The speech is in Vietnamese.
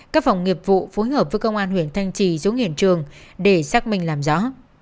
các phòng nghiệp vụ phối hợp với công an huyện thanh trì xuống hiện trường để xác minh làm rõ